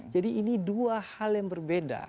jadi ini dua hal yang berbeda